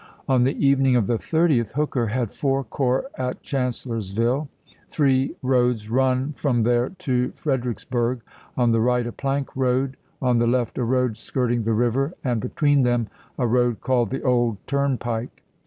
On the evening of the 30th Hooker had four corps April, lsea at Chancellorsville ; three roads run from there to Fredericksburg ; on the right a plank road, on the left a road skirting the river, and between them a road called the old turnpike.